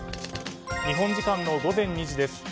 日本時間の午前２時です。